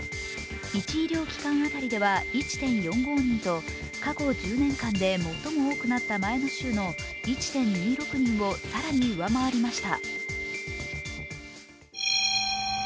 １医療機関当たりでは１．４５人と過去１０年間で最も多くなった前の週の１．２６人を更に上回りました。